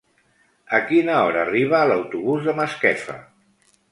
A quina hora arriba l'autobús de Masquefa?